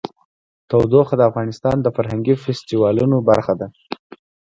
تودوخه د افغانستان د فرهنګي فستیوالونو برخه ده.